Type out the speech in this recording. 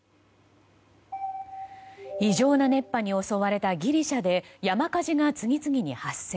異常な熱波に襲われたギリシャで山火事が次々に発生。